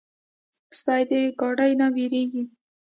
سپي د ګاډي نه وېرېږي.